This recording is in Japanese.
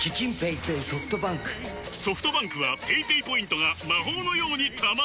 ソフトバンクはペイペイポイントが魔法のように貯まる！